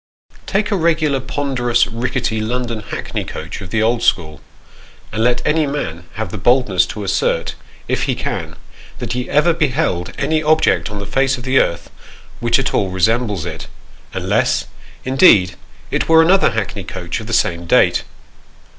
Take a regular, ponderous, rickety, London hackney coach of the old school, and let any man have the boldness to assert, if he can, that he ever beheld any object on the face of the earth which at all resembles it, unless, indeed, it were another hackney coach of the same date.